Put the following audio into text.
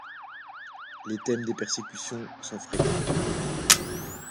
Les thèmes de persécution sont fréquents.